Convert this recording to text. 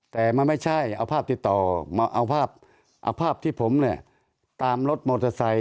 แต่มันไม่ใช่เอาภาพติดต่อเอาภาพที่ผมตามรถมอเตอร์ไซค์